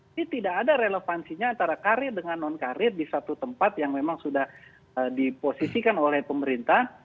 ini tidak ada relevansinya antara karir dengan non karir di satu tempat yang memang sudah diposisikan oleh pemerintah